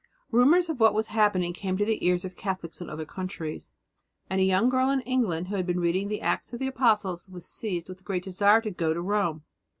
Rumours of what was happening came to the ears of Catholics in other countries, and a young girl in England who had been reading the Acts of the Apostles was seized with a great desire to go to Rome.